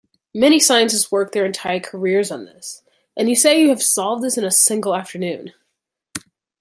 Many scientists work their entire careers on this, and you say you have solved this in a single afternoon?